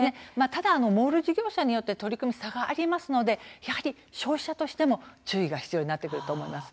ただ、モール事業者によって取り組み、差がありますのでやはり消費者としても注意が必要になってくると思います。